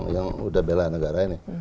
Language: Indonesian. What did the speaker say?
yang udah bela negara ini